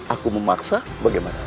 aku memaksa bagaimana